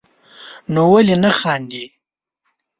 نو ولي نه خاندئ